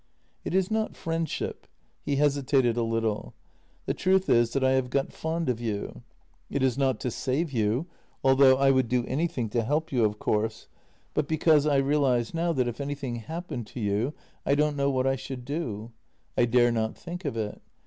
" It is not friendship." He hesitated a little. " The truth is that I have got fond of you. It is not to save you — although I would do anything to help you, of course — but because I JENNY 275 realize now that if anything happened to you I don't know what I should do. I dare not think of it.